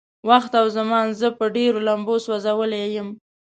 وخت او زمان زه په ډېرو لمبو سوځولی يم.